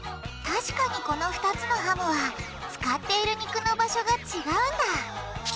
確かにこの２つのハムは使っている肉の場所がちがうんだ。